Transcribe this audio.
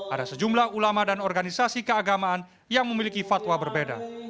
ada sejumlah ulama dan organisasi keagamaan yang memiliki fatwa berbeda